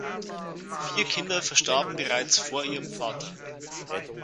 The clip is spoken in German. Vier Kinder verstarben bereits vor ihrem Vater.